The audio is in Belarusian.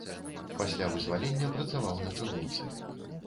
Пасля вызвалення працаваў на чыгунцы.